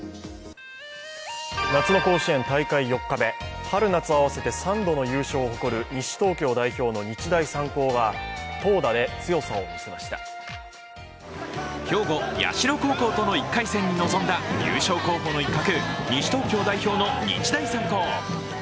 夏の甲子園、大会４日目、春夏合わせて３度の優勝を誇る西東京代表の日大三高が兵庫・社高校との１回戦に臨んだ優勝候補の一角、西東京代表の日大三高。